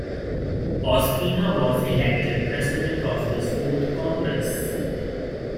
Ospina was elected President of this Fourth Congress.